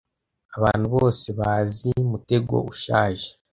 Abantu bose bazi mutego ushaje.